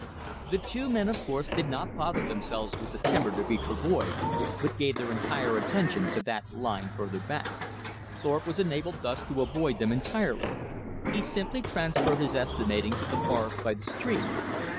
The two men, of course, did not bother themselves with the timber to be travoyed, but gave their entire attention to that lying further back. Thorpe was enabled thus to avoid them entirely. He simply transferred his estimating to the forest by the stream.